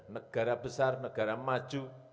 negara besar negara maju